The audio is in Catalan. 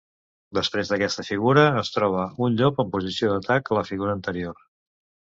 Després d'aquesta figura es troba un llop en posició d'atac a la figura anterior.